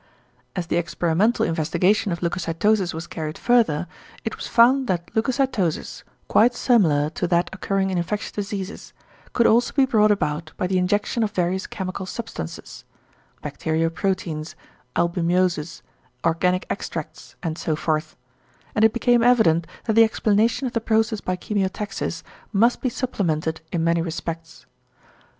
As the experimental investigation of leucocytosis was carried further, it was found that leucocytosis, quite similar to that occurring in infectious diseases, could also be brought about by the injection of various chemical substances (bacterio proteins, albumoses, organic extracts and so forth); and it became evident that the explanation of the process by chemiotaxis must be supplemented in many respects.